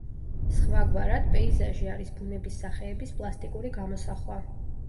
სხვაგვარად, პეიზაჟი არის ბუნების სახეების პლასტიკური გამოსახვა.